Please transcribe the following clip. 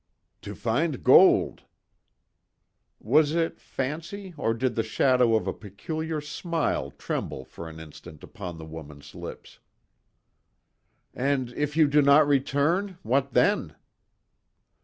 "To find gold." Was it fancy, or did the shadow of a peculiar smile tremble for an instant upon the woman's lips? "And, if you do not return what then?"